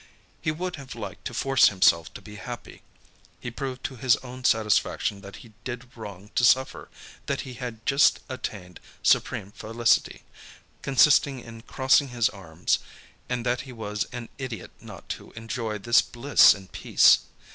He would have liked to force himself to be happy. He proved to his own satisfaction, that he did wrong to suffer, that he had just attained supreme felicity, consisting in crossing his arms, and that he was an idiot not to enjoy this bliss in peace.